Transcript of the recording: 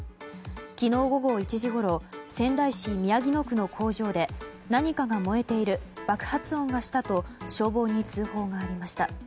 昨日午後１時ごろ仙台市宮城野区の工場で何かが燃えている爆発音がしたと消防に通報がありました。